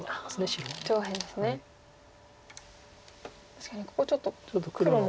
確かにここちょっと黒も。